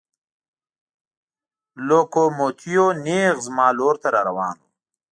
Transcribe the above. لوکوموتیو نېغ زما لور ته را روان و.